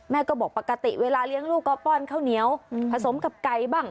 แม่ก็บอกปกติเวลาเลี้ยงลูกก็ป้อนข้าวเหนียวผสมกับไก่บ้าง